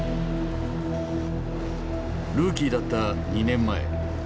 ルーキーだった２年前。